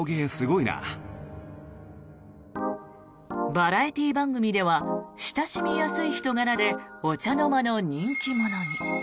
バラエティー番組では親しみやすい人柄でお茶の間の人気者に。